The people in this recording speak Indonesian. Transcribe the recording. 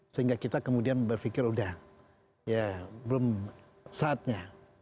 sehingga kita kemudian berpikir udah ya belum saatnya